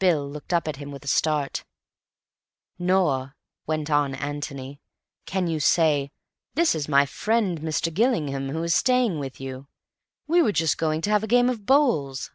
Bill looked up at him with a start. "Nor," went on Antony, "can you say, 'This is my friend Mr. Gillingham, who is staying with you. We were just going to have a game of bowls.